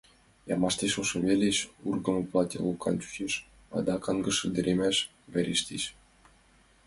Ӱмаште шошым велеш ургымо платье лопкан чучеш, адак аҥышыремдаш верештеш.